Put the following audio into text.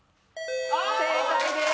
正解です。